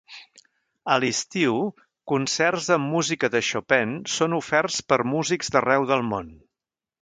A l'estiu, concerts amb música de Chopin són oferts per músics d'arreu del món.